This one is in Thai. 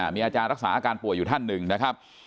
มีอาจารย์รักษาอาการป่วยอยู่ท่านหนึ่งนะครับ